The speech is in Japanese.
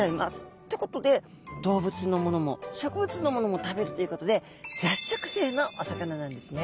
ってことで動物のものも植物のものも食べるということで雑食性のお魚なんですね。